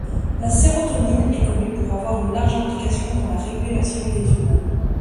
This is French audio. La sérotonine est connue pour avoir une large implication dans la régulation des humeurs.